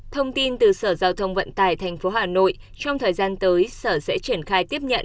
thông tin từ sở giao thông vận tải tp hà nội trong thời gian tới sở sẽ triển khai tiếp nhận